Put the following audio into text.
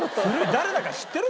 誰だか知ってる？